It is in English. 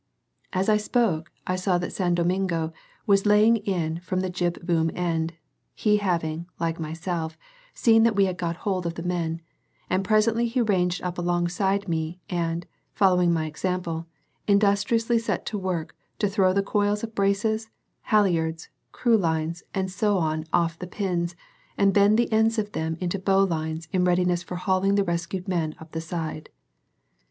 As I spoke I saw that San Domingo was laying in from the jib boom end, he having, like myself, seen that we had got hold of the men; and presently he ranged up alongside me and, following my example, industriously set to work to throw the coils of braces, halliards, clewlines, and so on off the pins, and bend the ends of them into bowlines in readiness for hauling the rescued men up the side.